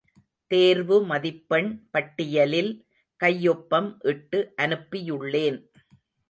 தேர்வு மதிப்பெண் பட்டியலில் கையொப்பம் இட்டு அனுப்பியுள்ளேன்.